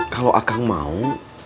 kalau akang mau